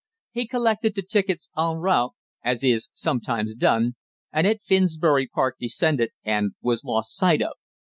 He collected the tickets en route, as is sometimes done, and at Finsbury Park descended, and was lost sight of.